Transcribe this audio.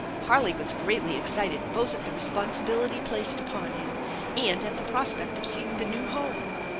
Harley was greatly excited both at the responsibility placed upon him and at the prospect of seeing the new home.